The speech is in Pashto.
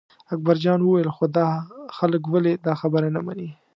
اکبرجان وویل خو دا خلک ولې دا خبره نه مني.